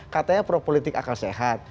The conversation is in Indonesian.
katanya pro politik akal sehat